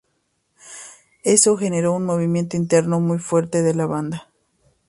Eso generó un movimiento interno muy fuerte en la banda.